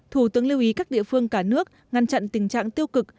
thủ tướng lưu ý các địa phương cả nước ngăn chặn tình trạng tiêu cực